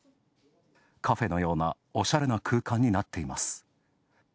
カフェのようなおしゃれな空間になっています。